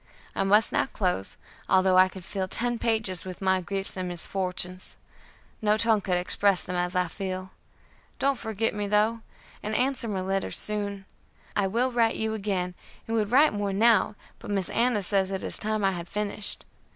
I must now close, although I could fill ten pages with my griefs and misfortunes; no tongue could express them as I feel; don't forget me though; and answer my letters soon. I will write you again, and would write more now, but Miss Anna says it is time I had finished.